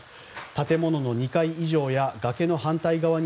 建物の２階以上や崖の反対側に